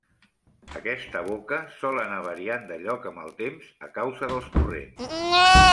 Aquesta boca sol anar variant de lloc amb el temps a causa dels corrents.